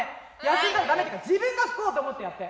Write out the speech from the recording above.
休んだらダメっていうか自分が吹こうと思ってやって。